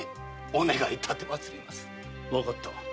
わかった。